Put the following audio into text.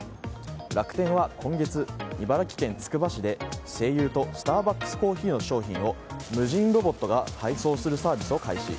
楽天は今月、茨城県つくば市で西友とスターバックスコーヒーの商品を無人ロボットが配送するサービスを開始。